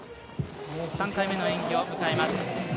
３回目の演技を迎えます。